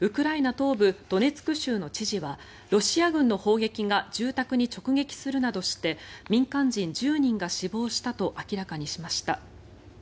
東部ドネツク州の知事はロシア軍の砲撃が住宅に直撃するなどして民間人１０人が死亡したと明らかにしました。